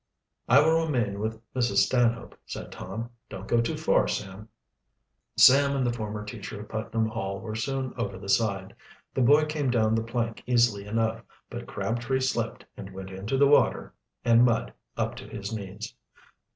"I will remain with Mrs. Stanhope," said Tom. "Don't go too far, Sam." Sam and the former teacher of Putnam Hall were soon over the side. The boy came down the plank easily enough, but Crabtree slipped and went into the water and mud up to his knees.